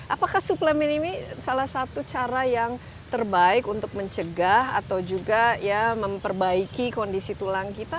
apakah suplemen ini salah satu cara yang terbaik untuk mencegah atau juga ya memperbaiki kondisi tulang kita